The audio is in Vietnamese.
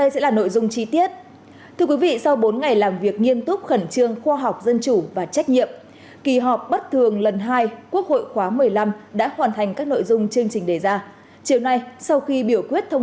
các bạn hãy đăng ký kênh để ủng hộ kênh của chúng mình nhé